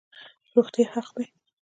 روغتیا حق دی